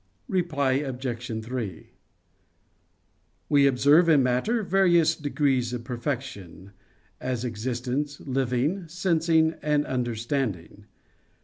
Reply Obj. 3: We observe in matter various degrees of perfection, as existence, living, sensing, and understanding.